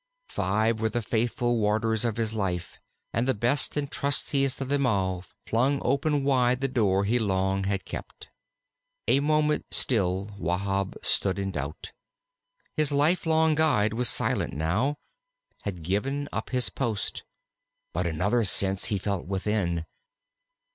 Five were the faithful wardens of his life, and the best and trustiest of them all flung open wide the door he long had kept. A moment still Wahb stood in doubt. His lifelong guide was silent now, had given up his post. But another sense he felt within.